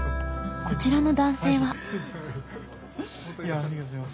こちらの男性は。